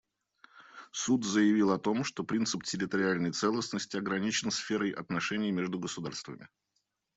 Суд заявил о том, что принцип территориальной целостности ограничен сферой отношений между государствами.